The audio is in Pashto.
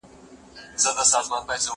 هغه وويل چي کالي وچول مهم دي!؟